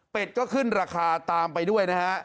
เป็นก็ขึ้นราคาตามไปด้วยนะฮะ